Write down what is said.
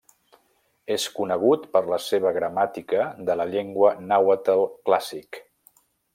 És conegut per la seva gramàtica de la llengua nàhuatl clàssic.